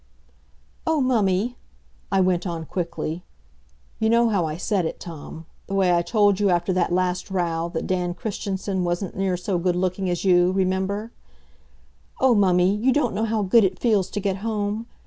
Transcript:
"Oh, mummy," I went on quickly. You know how I said it, Tom the way I told you after that last row that Dan Christensen wasn't near so good looking as you remember? "Oh, mummy, you don't know how good it feels to get home.